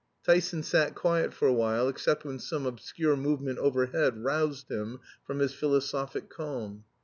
Tyson sat quiet for a while, except when some obscure movement overhead roused him from his philosophic calm.